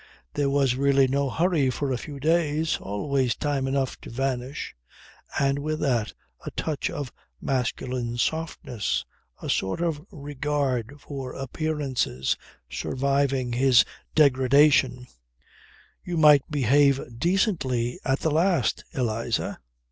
There was really no hurry for a few days. Always time enough to vanish. And, with that, a touch of masculine softness, a sort of regard for appearances surviving his degradation: "You might behave decently at the last, Eliza."